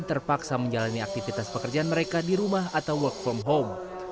terpaksa menjalani aktivitas pekerjaan mereka di rumah atau work from home